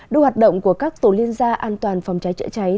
đưa hoạt động của các tổ liên gia an toàn phòng cháy chữa cháy